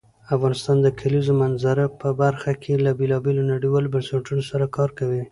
افغانستان د کلیزو منظره په برخه کې له بېلابېلو نړیوالو بنسټونو سره کار کوي.